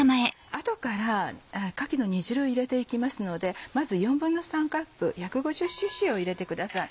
後からかきの煮汁を入れていきますのでまず３／４カップ１５０ｃｃを入れてください。